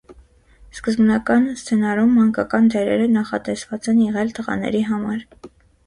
Սկզբնական սցենարում մանկական դերերը նախատեսված են եղել տղաների համար։